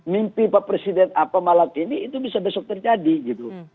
mimpi pak presiden apa malam ini itu bisa besok terjadi gitu